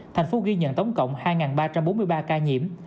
thành phố ghi nhận tổng cộng hai ba trăm bốn mươi ba ca nhiễm